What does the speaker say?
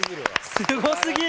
すごすぎる！